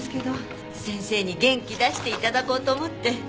先生に元気出して頂こうと思って。